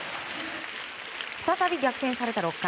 再び逆転された６回。